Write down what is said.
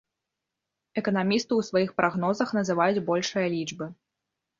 Эканамісты ў сваіх прагнозах называюць большыя лічбы.